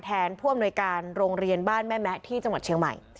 ผู้อำนวยการโรงเรียนบ้านแม่แมะที่จังหวัดเชียงใหม่